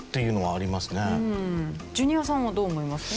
ジュニアさんはどう思いますか？